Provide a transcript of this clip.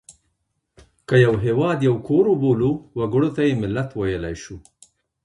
که یو هېواد یو کور وبولو وګړو ته یې ملت ویلای شو.